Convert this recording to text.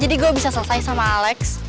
gue bisa selesai sama alex